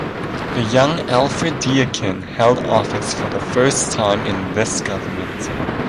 The young Alfred Deakin held office for the first time in this government.